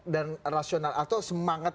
dan rasional atau semangat